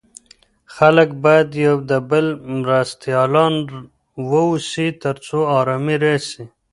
خلګ بايد يو د بل مرستيالان واوسي تر څو ارامي راسي.